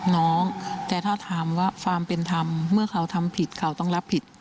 น้องแต่ถ้าถามว่าความเป็นธรรมเมื่อเขาทำผิดเขาต้องรับผิด